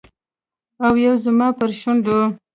او یو زما پر شونډو